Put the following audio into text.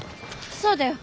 そうだよ。